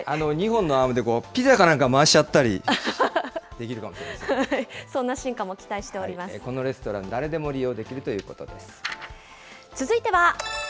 ２本のアームでピザかなんか、回しちゃったりできるかもしれませそんな進化も期待しておりまこのレストラン、誰でも利用続いては。